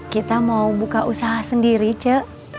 kita mau buka usaha sendiri cek